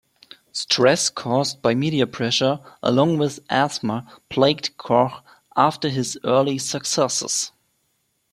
Stress caused by media pressure, along with asthma, plagued Koch after his early successes.